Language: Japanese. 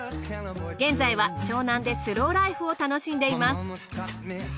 現在は湘南でスローライフを楽しんでいます。